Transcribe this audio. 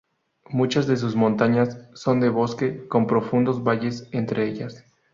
Muchas de sus montañas son de bosque, con profundos valles entre ellas.